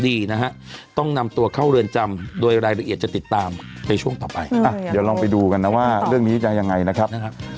ดีนะฮะต้องนำตัวเข้าเรือนจำโดยรายละเอียดจะติดตามในช่วงต่อไปอ่ะเดี๋ยวลองไปดูกันนะว่าเรื่องนี้จะยังไงนะครับ